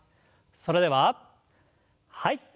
それでははい。